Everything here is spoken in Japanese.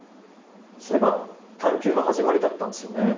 それが探求の始まりだったんですよね。